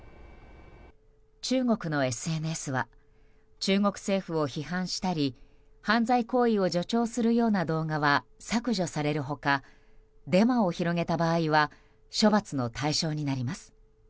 中国のＳＮＳは中国政府を批判したり犯罪行為を助長するような動画は削除される他デマを広げた場合は処罰の対象になります。